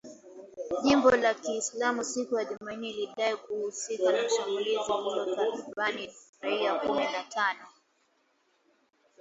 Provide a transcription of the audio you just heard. Jimbo la Kiislamu siku ya Jumanne lilidai kuhusika na shambulizi lililoua takribani raia kumi na tano katika kijiji kimoja kaskazini mashariki mwa Congo.